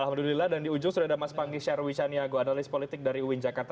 alhamdulillah dan di ujung sudah ada mas panggi sharwicaniago analis politik dari uin jakarta